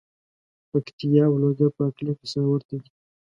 پکتیا او لوګر په اقلیم کې سره ورته دي.